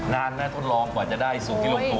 นานไหมทดลองกว่าจะได้สูตรที่ลงตัว